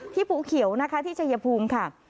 ที่ภูเขียวที่เฉยภูมิค่ะ